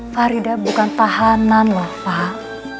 farida bukan tahanan lah pak